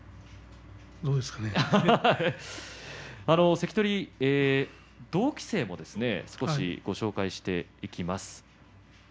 関取の同期生も少しご紹介していきます。